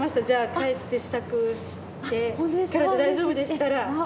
じゃあ帰って支度してからで大丈夫でしたら。